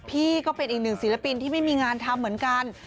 พี่ก็เป็นอีกหนึ่งศิลปินที่ไม่มีงานทำเหมือนกัน